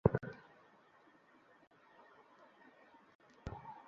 কেন্দ্র নির্মাণের মূল কাজ পেয়েছে ভারতীয় ঠিকাদারি প্রতিষ্ঠান লারসেন অ্যান্ড টোবরো।